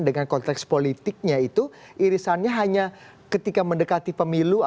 dengan konteks politiknya itu irisannya hanya ketika mendekati pemilu